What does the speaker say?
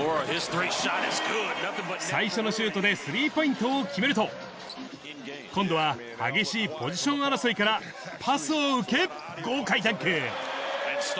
最初のシュートでスリーポイントを決めると、今度は激しいポジション争いからパスを受け、豪快ダンク。